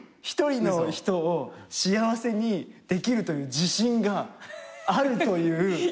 一人の人を幸せにできるという自信があるという。